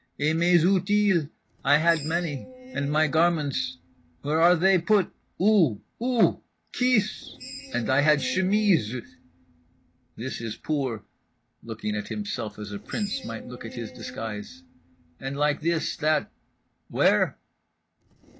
"Et mes outils, I had many—and my garments—where are they put, où—où? Kis! And I had chemises… this is poor" (looking at himself as a prince might look at his disguise)—"and like this, that—where?"